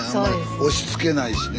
押しつけないしね。